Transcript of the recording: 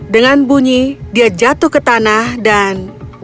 dengan bunyi dia jatuh ke tanah dan